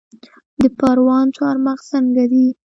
د پروان چارمغز څنګه دي؟